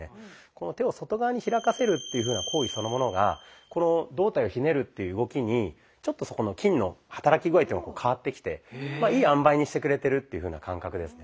この手を外側に開かせるっていうふうな行為そのものがこの胴体をひねるっていう動きにちょっとそこの筋の働き具合というのが変わってきてまあいいあんばいにしてくれてるっていうふうな感覚ですね。